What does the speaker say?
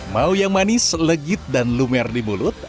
mau yang manis legit dan lumer di mulut